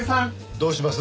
どうします？